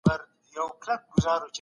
امیل دورکهایم د کنت په لاره روان و.